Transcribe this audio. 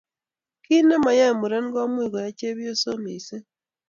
kiiy nemayae muren komuch koyay chepyosoo mising